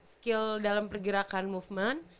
skill dalam pergerakan movement